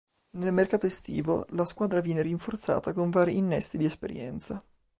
Nel mercato estivo, la squadra viene rinforzata con vari innesti di esperienza.